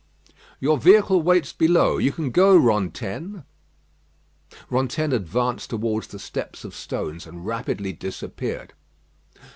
"Your vehicle waits below. You can go, Rantaine." Rantaine advanced towards the steps of stones, and rapidly disappeared.